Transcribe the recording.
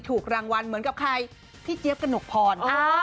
ถูกรางวัลเหมือนกับพี่เจี๊ยบกนกฝอน